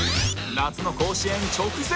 夏の甲子園直前！